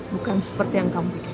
bukan seperti yang kamu pikirkan